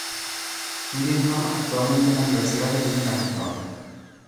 Whittingham, actualmente en la Universidad de Binghamton.